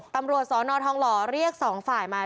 ตำรวจสอนอทองหล่อเรียกสองฝ่ายมา